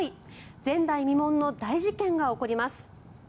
前代未聞の大事件が起こります。